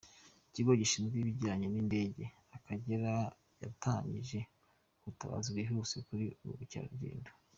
Ikigo gishinzwe ibijyanye ni indege Akagera yatangije ubutabazi bwihuse kuri ba mukerarugendo